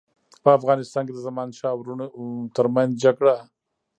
په افغانستان کې د زمانشاه او وروڼو ترمنځ جنګونه.